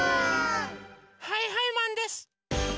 はいはいマンです！